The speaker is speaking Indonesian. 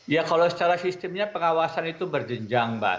ya kalau secara sistemnya pengawasan itu berjenjang mbak